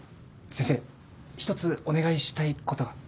先生１つお願いしたいことが。